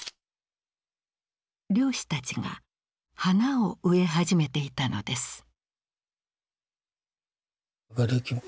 漁師たちが花を植え始めていたのです。